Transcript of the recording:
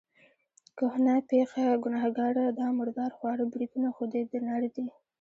کهنه پېخه، ګنهګاره، دا مردار خواره بریتونه خو دې د نر دي.